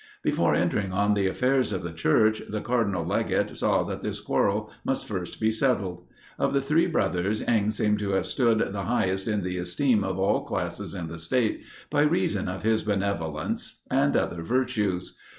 Before entering on the affairs of the Church, the Cardinal Legate saw that this quarrel must first be settled. Of the three brothers, Inge seems to have stood the highest in the esteem of all classes in the state, by reason of his benevolence, and other virtues.